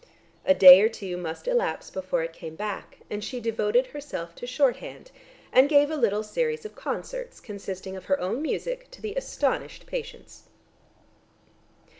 A day or two must elapse before it came back, and she devoted herself to shorthand, and gave a little series of concerts consisting of her own music to the astonished patients.